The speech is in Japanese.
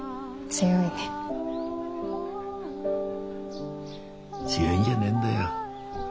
強いんじゃねえんだよ。